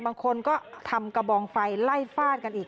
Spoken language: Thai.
บางคนก็ทำกระบองไฟไล่ฟาดกันอีก